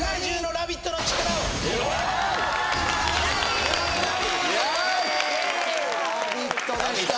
ラヴィットでした